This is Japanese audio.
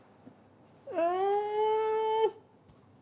うん！